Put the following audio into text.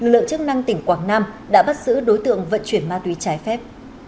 lượng chức năng tỉnh quảng nam đã bắt giữ đối tượng vận chuyển ma túy trái phép